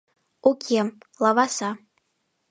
Уке, лаваса.